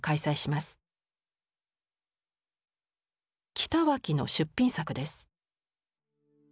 北脇の出品作です。